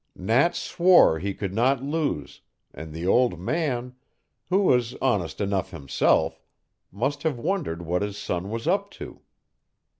Nat swore he could not lose, and the old man, who was honest enough himself, must have wondered what his son was up to.